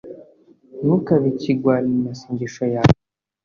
ntukabe ikigwari mu masengesho yawe